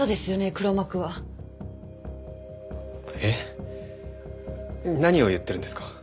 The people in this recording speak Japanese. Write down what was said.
黒幕は。えっ？何を言ってるんですか？